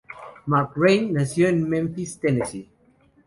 McRae nació en Memphis, Tennessee.